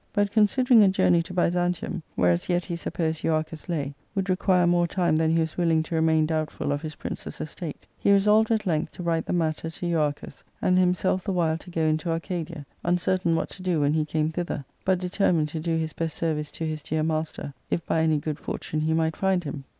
But, considering a journey to Byzantium, whereas yet he supposed Euarchus lay, would require more time than he was willing to remain doubtful of his prince's estate, he resolved at length to write the matter to Euarchus, and himself the while to go into Arcadia, uncertain what to do when he came thither, but determined to do his best service to his dear master, if by any good fortune he might find him.